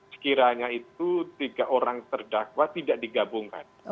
sekiranya itu tiga orang terdakwa tidak digabungkan